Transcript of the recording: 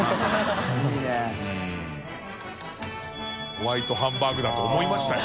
ホワイトハンバーグだと思いましたよ。